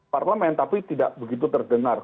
parlemen tapi tidak begitu terdengar